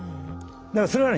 だからそれはね